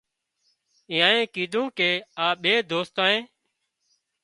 اينانئي ڪيڌون ڪي آ ٻي دوستانئي